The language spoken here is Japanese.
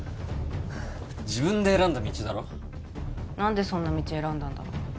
自分で選んだ道だろ何でそんな道選んだんだろう